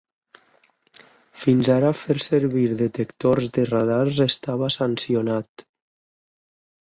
Fins ara fer servir detectors de radars estava sancionat.